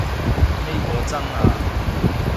呢個真啊